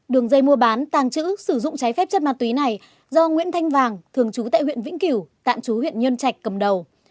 đường dây mua bán tàng trữ sử dụng trái phép chất ma túy này do nguyễn thanh vàng thường trú tại huyện vĩnh cửu tạm chú huyện nhân trạch cầm đầu